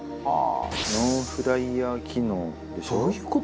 ノンフライヤー機能でしょ。